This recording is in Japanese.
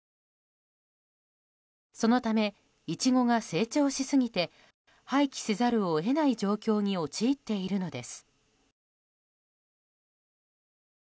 そのため、イチゴが成長しすぎて廃棄せざるを得ない状況に陥っているのです。